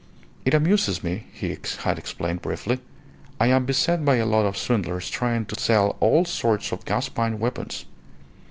"It amuses me," he had explained, briefly. "I am beset by a lot of swindlers trying to sell all sorts of gaspipe weapons.